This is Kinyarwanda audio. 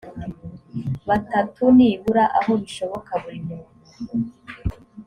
batatu nibura aho bishoboka buri muntu